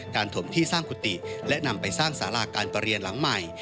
ถมที่สร้างกุฏิและนำไปสร้างสาราการประเรียนหลังใหม่